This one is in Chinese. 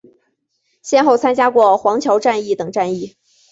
先后参加过黄桥战役等战役。